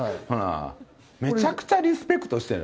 めちゃくちゃリスペクトしてる。